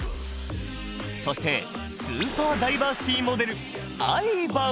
そしてスーパー・ダイバーシティモデルＩＶＡＮ。